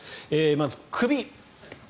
まず、首。